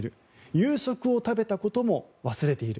夕食を食べたことも忘れている。